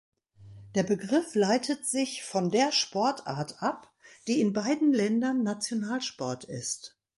Der Begriff leitet sich von der Sportart ab, die in beiden Ländern Nationalsport ist.